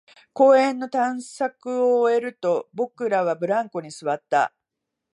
公園の探索を終えると、僕らはブランコに座った